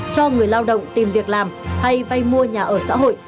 cho người lao động tìm việc làm hay vay mua nhà ở xã hội